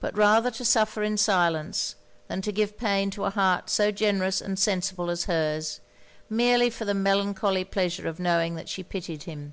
But rather to suffer in silence, than to give pain to a heart so generous and sensible as her's, merely for the melancholy pleasure of knowing that she pitied him.